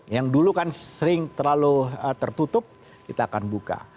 yang dulu kan sering terlalu tertutup kita akan buka